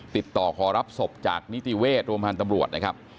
ติดต่อขอรับศพจากนิติเวชโรงพยาบาลตำรวจนะครับ